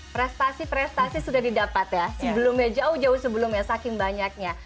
prestasi prestasi sudah didapat ya sebelumnya jauh jauh sebelumnya saking banyaknya